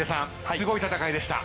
すごい戦いでした。